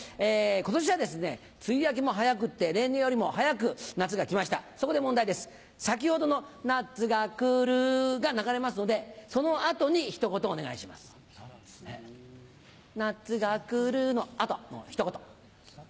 今年はですね梅雨明けも早くって例年よりも早く夏が来ましたそこで問題です先ほどの。夏が来るが流れますのでその後にひと言お願いします。夏が来るの後ひと言。